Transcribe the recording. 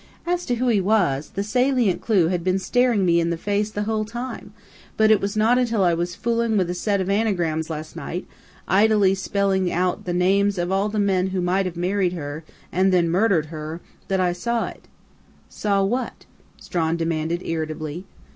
"As to who he was, the salient clue had been staring me in the face the whole time, but it was not until I was fooling with a set of anagrams last night, idly spelling out the names of all the men who might have married her and then murdered her, that I saw it " "Saw what?" Strawn demanded irritably.